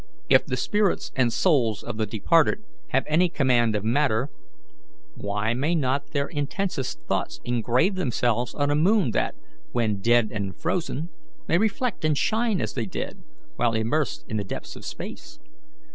If the spirits and souls of the departed have any command of matter, why may not their intensest thoughts engrave themselves on a moon that, when dead and frozen, may reflect and shine as they did, while immersed in the depths of space?